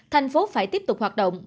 thành phố phải tiếp tục hoạt động